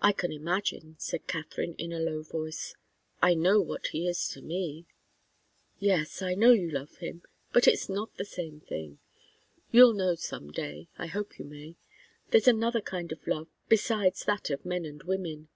"I can imagine," said Katharine, in a low voice. "I know what he is to me." "Yes. I know you love him. But it's not the same thing. You'll know some day. I hope you may. There's another kind of love besides that of men and women."